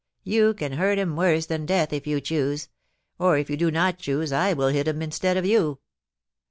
You can hurt him worse than death if you choose, or if you do not choose I will hit him instead of you.